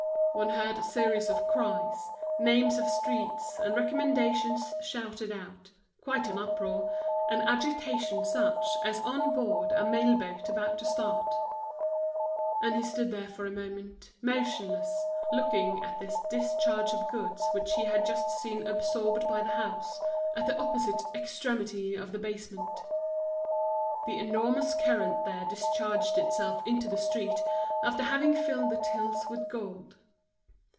One heard a series of cries, names of streets, and recommendations shouted out; quite an uproar, an agitation such as on board a mail boat about to start. And he stood there for a moment, motionless, looking at this discharge of goods which he had just seen absorbed by the house, at the opposite extremity of the basement: the enormous current there discharged itself into the street, after having filled the tills with gold.